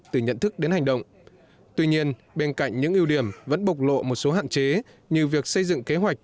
từ nhận thức đến hành động tuy nhiên bên cạnh những ưu điểm vẫn bộc lộ một số hạn chế như việc xây dựng kế hoạch